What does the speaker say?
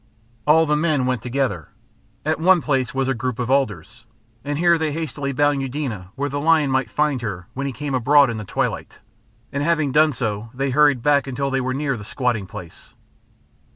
All the men went together. At one place was a group of alders, and here they hastily bound Eudena where the lion might find her when he came abroad in the twilight, and having done so they hurried back until they were near the squatting place.